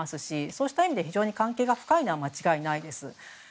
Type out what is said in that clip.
そうした意味で関係が深いのは間違いないです。